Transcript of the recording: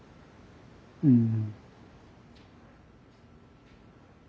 うん。